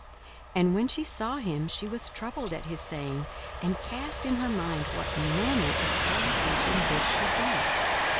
42:001:029 And when she saw him, she was troubled at his saying, and cast in her mind what manner of salutation this should be.